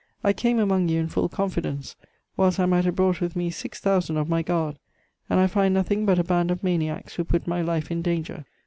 I came among you in full confidence, whilst I might have brought with me six thousand of my guard, and I find nothing but a band of maniacs who put my life in danger.